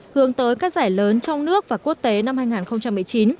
hướng tới các giải lớn trong nước và quốc tế năm hai nghìn một mươi chín